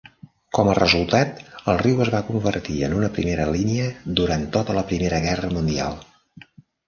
Com a resultat, el riu es va convertir en una primera línia durant tota la Primera Guerra Mundial.